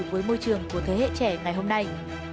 với môi trường của thế hệ trẻ ngày hôm nay